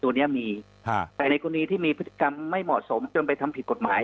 ตัวนี้มีแต่ในกรณีที่มีพฤติกรรมไม่เหมาะสมจนไปทำผิดกฎหมาย